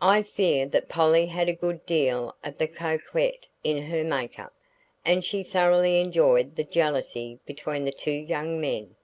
I fear that Polly had a good deal of the coquette in her make up, and she thoroughly enjoyed the jealousy between the two young men.